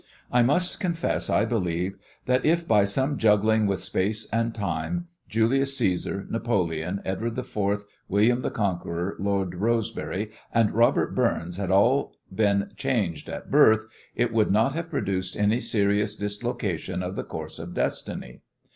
I must confess I believe that if by some juggling with space and time Julius Cæsar, Napoleon, Edward IV., William the Conqueror, Lord Rosebery, and Robert Burns had all been changed at birth it would not have produced any serious dislocation of the course of destiny.